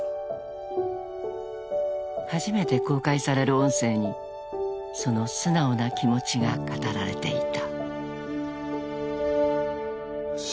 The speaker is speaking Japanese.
［初めて公開される音声にその素直な気持ちが語られていた］